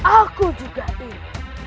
aku juga ingin